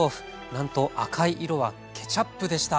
なんと赤い色はケチャップでした。